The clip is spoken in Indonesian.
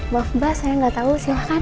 maaf mbak saya gak tahu silakan